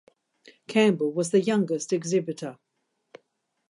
Campbell was the youngest exhibitor.